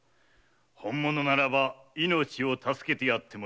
本物ならば命を助けてやってもよい。